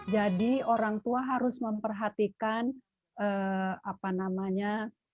jadi orang tua harus memperhatikan apa namanya